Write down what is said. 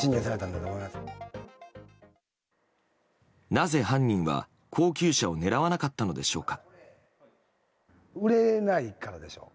なぜ犯人は高級車を狙わなかったのでしょうか。